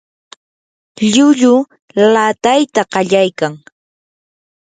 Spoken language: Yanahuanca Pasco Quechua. llulluu laatayta qallaykan.